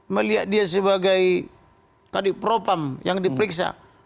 melihat dia sebagai kadipropam yang diperiksa